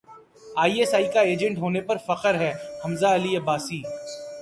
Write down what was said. I S I کا agent ہونے پر فخر ہے حمزہ علی عباسی